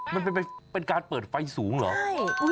มันเป็นการเปิดไฟสูงเหรอใช่